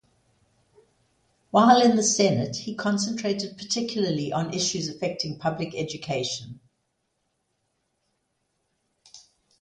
While in the Senate, he concentrated particularly on issues affecting public education.